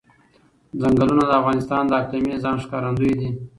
ځنګلونه د افغانستان د اقلیمي نظام ښکارندوی ده.